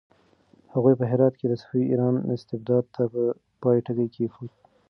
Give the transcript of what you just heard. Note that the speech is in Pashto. هغوی په هرات کې د صفوي ایران استبداد ته د پای ټکی کېښود.